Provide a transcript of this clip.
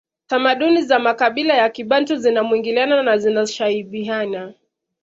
Tamaduni za makabila ya kibantu zina mwingiliano na zinashabihiana